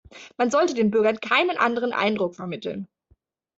Man sollte den Bürgern keinen anderen Eindruck vermitteln.